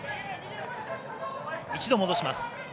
一度戻します。